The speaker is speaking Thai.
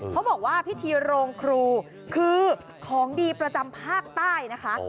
เขาบอกว่าพิธีโรงครูคือของดีประจำภาคใต้นะคะ